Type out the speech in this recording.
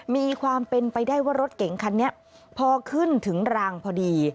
มีความเป็นไปได้ว่ารถเก๋งคันนี้พอขึ้นถึงรางพอดี